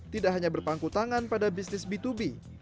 tidak hanya berpangku tangan pada bisnis b dua b